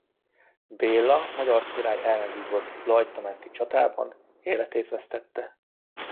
Béla magyar király ellen vívott Lajta-menti csatában életét vesztette.